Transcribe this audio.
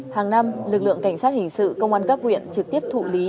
hàng năm lực lượng cảnh sát hình sự công an cấp huyện trực tiếp thụ lý